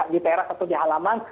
di teras atau di halaman